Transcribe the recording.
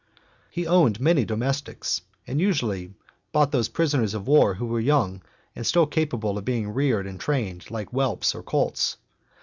XXI. He owned many domestics, and usually bought those prisoners of war who were young and still capable of being reared and _ trained like whelps or colts.